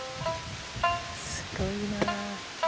すごいな。